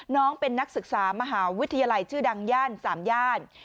น้องเป็นนักศึกษามหาวิทยาลัยชื่อดังย่าน๓ย่าน